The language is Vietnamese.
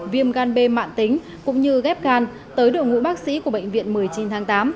viêm gan b mạng tính cũng như ghép gan tới đội ngũ bác sĩ của bệnh viện một mươi chín tháng tám